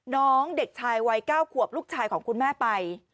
น้องเด็กชายวัย๙ขวบลูกชายของคุณแม่ไป